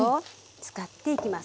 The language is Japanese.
使っていきます。